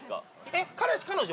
えっ彼氏彼女？